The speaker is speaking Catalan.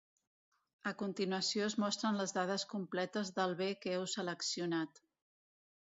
A continuació es mostren les dades completes del bé que heu seleccionat.